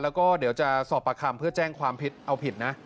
แล้วก็เดี๋ยวจะสอบประคำเพื่อแจ้งความผิดเอาผิดนะ